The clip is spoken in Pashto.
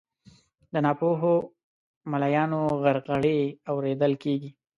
د ناپوهو ملایانو غرغړې اورېدل کیږي